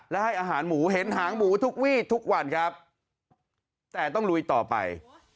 และให้อาหารหมูเห็นหางหมูทุกวี่ทุกวันครับแต่ต้องลุยต่อไป